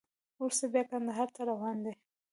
وروسته بیا کندهار ته روان دی.